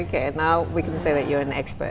oke sekarang kita bisa bilang anda adalah seorang expert